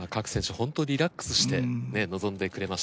ほんとリラックスしてねえ臨んでくれました。